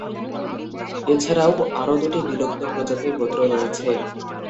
এছাড়াও আরো দুটি বিলুপ্ত প্রজাতির গোত্র রয়েছে।